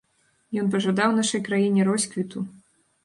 Ён пажадаў нашай краіне росквіту.